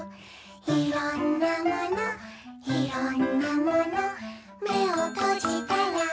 「いろんなものいろんなもの」「めをとじたらなにみえる？